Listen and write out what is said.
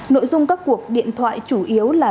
nội dung các cuộc điện thoại chủ yếu là